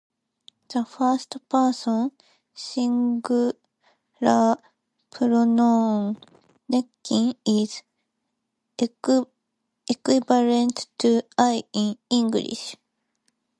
The first person singular pronoun "nekkin" is equivalent to "I" in English.